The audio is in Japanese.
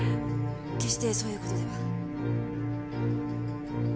決してそういう事では。